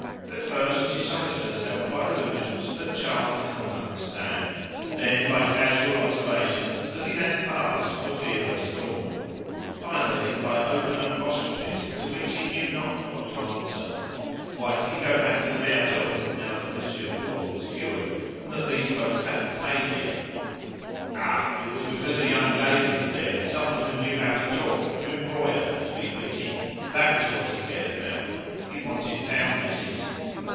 At first she solaced herself by allusions that Charles did not understand, then by casual observations that he let pass for fear of a storm, finally by open apostrophes to which he knew not what to answer. "Why did he go back to the Bertaux now that Monsieur Rouault was cured and that these folks hadn't paid yet? Ah! it was because a young lady was there, some one who know how to talk, to embroider, to be witty. That was what he cared about; he wanted town misses."